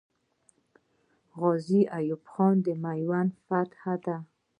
غازي ایوب خان د میوند فاتح دی.